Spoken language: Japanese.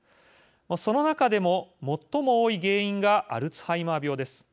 その中でも最も多い原因がアルツハイマー病です。